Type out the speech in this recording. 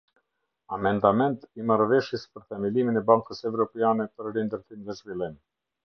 Amendament i Marrëveshjes për themelimin e Bankës Evropiane për Rindërtim dhe Zhvillim.